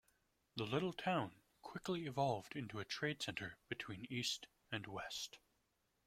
The little town quickly evolved into a trade center between east and west.